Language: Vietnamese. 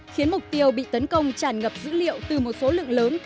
khiến mục tiêu bị tấn công tràn ngập dữ liệu từ một số lượng lớn